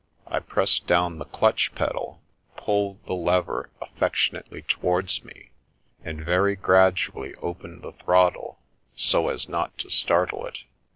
I pressed down the clutch pedal, pulled the lever af fectionately towards me, and very gradually opened the throttle, so as not to startle it.